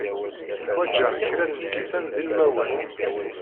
Ḥwajeɣ kra n lkisan d ilmawen.